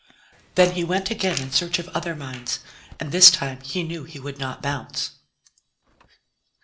Then he went again in search of other minds, and this time he knew he would not bounce.